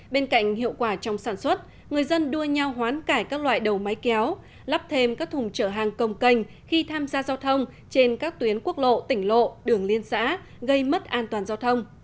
bên cạnh hiệu quả trong sản xuất người dân đua nhau hoán cải các loại đầu máy kéo lắp thêm các thùng trở hàng công canh khi tham gia giao thông trên các tuyến quốc lộ tỉnh lộ đường liên xã gây mất an toàn giao thông